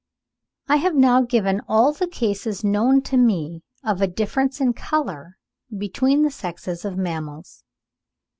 I have now given all the cases known to me of a difference in colour between the sexes of mammals.